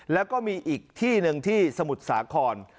แล้วก็มีอีกที่หนึ่งที่สมุทรสาคร